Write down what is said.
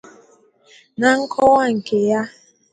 Na nkọwa nke ya